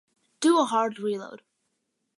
Do a hard reload